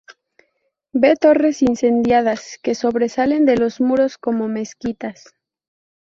Ve torres incendiadas, que sobresalen de los muros como mezquitas.